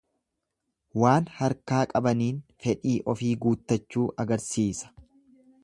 Waan harkaa qabaniin fedhii ofii guuttachuu agarsiisa.